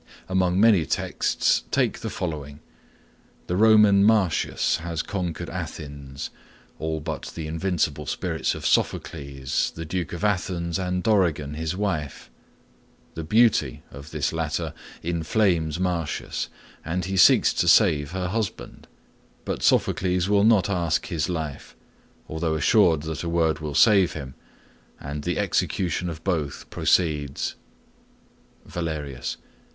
Among many texts take the following. The Roman Martius has conquered Athens,—all but the invincible spirits of Sophocles, the duke of Athens, and Dorigen, his wife. The beauty of the latter inflames Martius, and he seeks to save her husband; but Sophocles will not ask his life, although assured that a word will save him, and the execution of both proceeds:— Valerius.